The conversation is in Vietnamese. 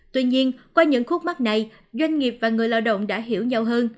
tuy nhiên qua những khúc mắt này doanh nghiệp và người lao động đã hiểu nhau hơn